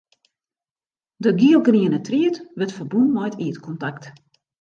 De gielgriene tried wurdt ferbûn mei it ierdkontakt.